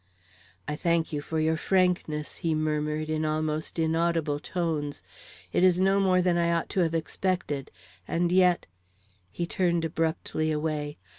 "I thank you for your frankness," he murmured, in almost inaudible tones. "It is no more than I ought to have expected; and yet " He turned abruptly away.